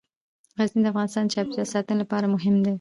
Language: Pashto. غزني د افغانستان د چاپیریال ساتنې لپاره مهم دي.